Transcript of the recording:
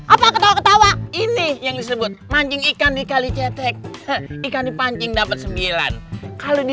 apa ketawa ketawa ini yang disebut mancing ikan di kalicetek ikan dipancing dapat sembilan kalau di